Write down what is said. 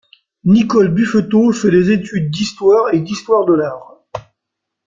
Nicole Buffetaut fait des études d'histoire et d'histoire de l'art.